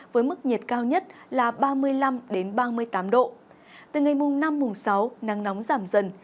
với mức nhiệt cao nhất là ba mươi năm ba mươi tám độ từ ngày mùng năm mùng sáu nắng nóng giảm dần